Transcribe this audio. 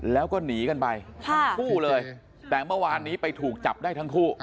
แล้วก็หนีกันไปทั้งคู่เลยแต่เมื่อวานนี้ไปถูกจับได้ทั้งคู่